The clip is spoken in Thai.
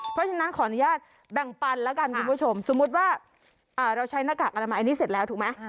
เพราะฉะนั้นขออนุญาตแบ่งปันแล้วกันคุณผู้ชมสมมุติว่าเราใช้หน้ากากอนามัยอันนี้เสร็จแล้วถูกไหม